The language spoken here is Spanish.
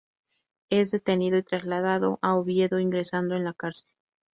Es detenido y trasladado a Oviedo ingresando en la cárcel.